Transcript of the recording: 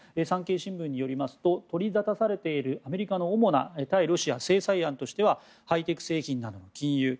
産経新聞によりますと取りざたされているアメリカの主な対ロシア制裁案としてはハイテク製品などの禁輸。